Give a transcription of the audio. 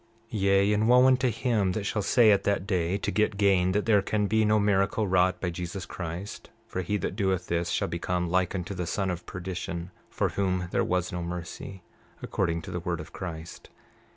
29:7 Yea, and wo unto him that shall say at that day, to get gain, that there can be no miracle wrought by Jesus Christ; for he that doeth this shall become like unto the son of perdition, for whom there was no mercy, according to the word of Christ!